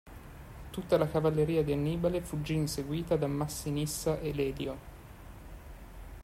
Tutta la cavalleria di Annibale fuggì inseguita da Massinissa e Lelio.